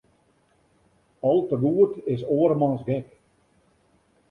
Al te goed is oarmans gek.